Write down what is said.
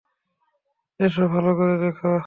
এসো, ভালো করে দেখো।